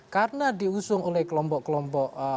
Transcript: karena diusung oleh kelompok kelompok